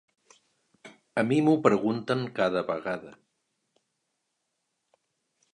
A mi m’ho pregunten cada vegada.